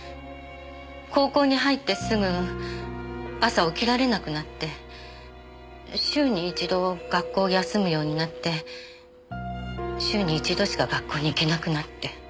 高校に入ってすぐ朝起きられなくなって週に一度学校を休むようになって週に一度しか学校に行けなくなって。